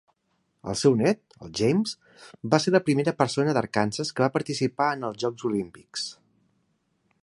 El seu net, el James, va ser la primera persona d'Arkansas que va participar en els Jocs Olímpics.